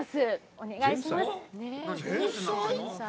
お願いします。